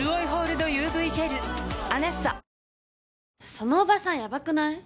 そのおばさんヤバくない？